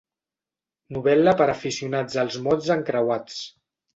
Novel·la per a aficionats als mots encreuats».